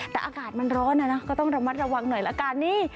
แต่อากาศมันร้อนนะนะก็ต้องระมัดระวังหน่อยละกันนี่